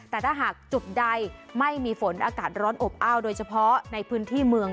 แต่ถ้าหากจุดใดไม่มีฝนอากาศร้อนอบอ้าวโดยเฉพาะในพื้นที่เมือง